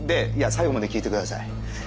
最後まで聞いてください。